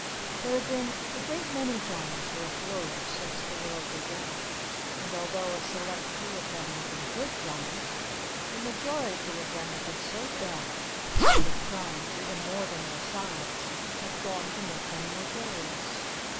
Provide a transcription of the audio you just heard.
There have been a great many giants who have flourished since the world began, and, although a select few of them have been good giants, the majority of them have been so bad that their crimes even more than their size have gone to make them notorious.